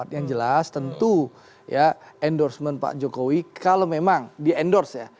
yang jelas tentu endorsement pak jokowi kalau memang di endorse ya